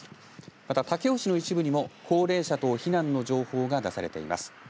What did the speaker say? また、武雄市の一部にも高齢者等避難の情報が出されています。